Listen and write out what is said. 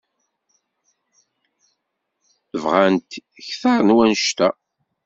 Bɣant kter n wannect-a.